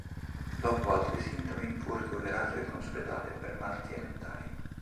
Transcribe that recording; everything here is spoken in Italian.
Dopo altri sintomi, fu ricoverato in un ospedale per malattie mentali.